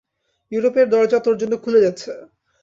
ইউরোপের দরজা তোর জন্য খুলে যাচ্ছে।